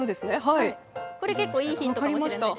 これ、結構いいヒントかもしれない。